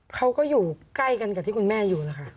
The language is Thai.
เขาก็อยู่ใกล้กันกับที่คุณแม่อยู่นะคะ